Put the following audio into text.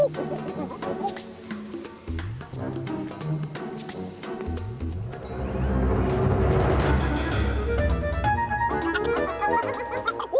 โอ้โฮ